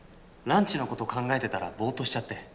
ランチの事を考えてたらボーッとしちゃって。